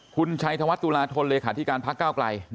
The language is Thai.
คุณชัยธวัฒนตุลาธนเลขาธิการพักก้าวไกล